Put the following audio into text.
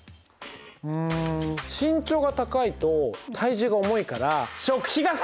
うん身長が高いと体重が重いから食費が増える！